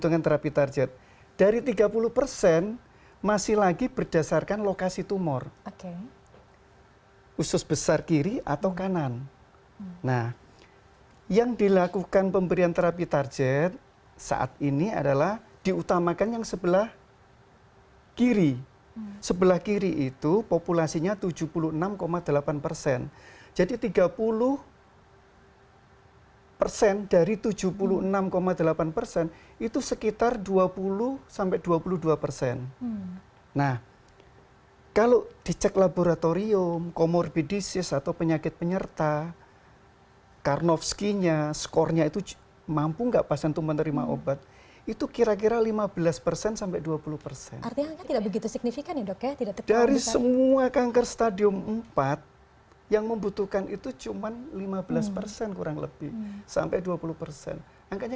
kalau ilmiah mengatakan indikasi diberikan terapi target walaupun sudah dihapus oleh pemerintah kita tetap memberikan